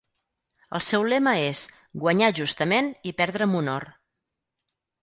El seu lema és "Guanyar justament i perdre amb honor".